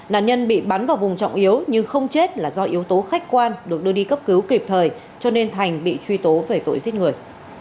nạn nhân bị bắn vào vùng trọng yếu nhưng không chết là do yếu tố khách quan được đưa đi cấp cứu kịp thời cho nên thành bị truy tố về tội giết người